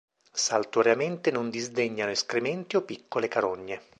Saltuariamente non disdegnano escrementi o piccole carogne.